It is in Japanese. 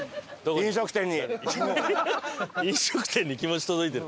飲食店に気持ち届いてる？